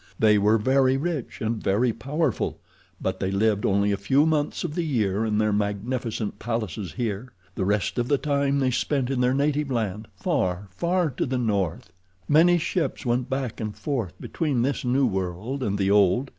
They were very rich and very powerful, but they lived only a few months of the year in their magnificent palaces here; the rest of the time they spent in their native land, far, far to the north. "Many ships went back and forth between this new world and the old.